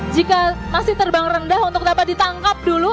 jika masih terbang rendah untuk dapat ditangkap dulu